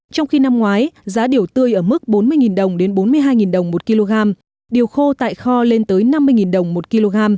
trong khi năm ngoái giá điều tươi ở mức bốn mươi đồng đến bốn mươi hai đồng một kg điều khô tại kho lên tới năm mươi đồng một kg